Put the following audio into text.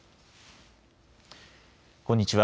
こんにちは。